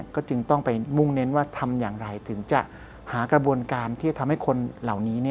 ก็จึงต้องไปมุ่งเน้นว่าทำอย่างไรถึงจะหากระบวนการที่จะทำให้คนเหล่านี้